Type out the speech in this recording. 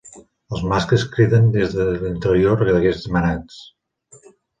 Els mascles criden des de l'interior d'aquests manats.